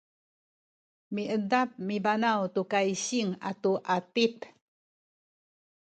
miedap mibanaw tu kaysing atu atip